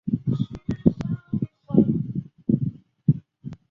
波罗王朝被视为伊斯兰教传入前孟加拉历史的黄金时期。